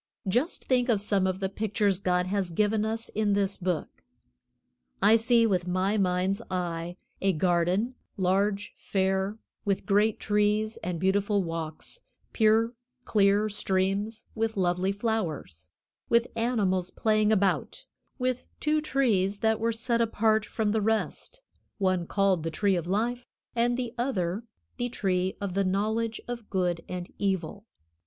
Just think of some of the pictures God has given us in this Book. I see, with my mind's eye, a garden, large, fair, with great trees and beautiful walks, pure, clear streams with lovely flowers, with animals playing about, with two trees that were set apart from the rest, one called the Tree of Life and the other the Tree of the Knowledge of Good and Evil.